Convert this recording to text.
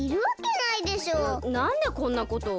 なっなんでこんなことを？